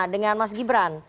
dengan mas gibran